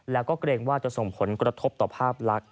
แล้วก็เกรงว่าจะส่งผลกระทบต่อภาพลักษณ